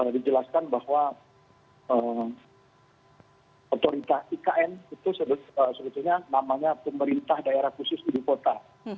dijelaskan bahwa otoritas ikn itu sebetulnya namanya pemerintah daerah khusus ibu kota